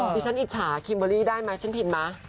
ฉันอิจฉาคิมเบอร์รี่ได้ไหมฉันผิดไหม